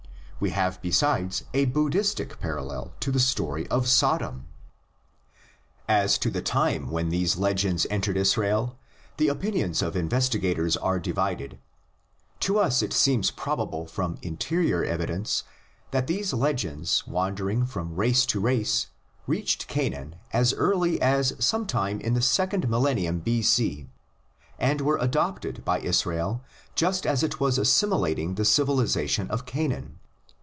We have besides a Buddhistic parallel to the story of Sodom. (Cp. T. Cassel, Mischle Sind had.) As to the time when these legends entered Israel the opinions of investigators are divided; to us it seems probable from interior evidence that these legends wandering from race to race reached Canaan as early as some time in the second millennium B. C. and were adopted by Israel just as it was assimilat ing the civilisation of Canaan.